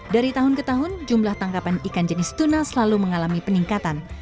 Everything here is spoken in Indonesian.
dari tahun ke tahun jumlah tangkapan ikan jenis tuna selalu mengalami peningkatan